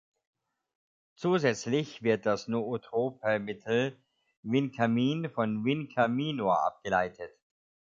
Zusätzlich wird das nootrope Mittel Vincamin von „Vinca minor“ abgeleitet.